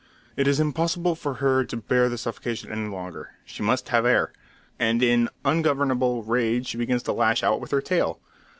It is impossible for her to bear this suffocation any longer; she must have air; and in ungovernable rage she begins to lash out with her tail.